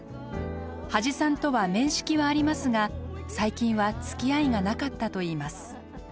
土師さんとは面識はありますが最近はつきあいがなかったといいます。